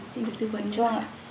xin được tư vấn cho